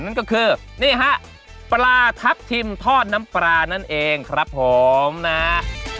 นั่นก็คือนี่ฮะปลาทับทิมทอดน้ำปลานั่นเองครับผมนะฮะ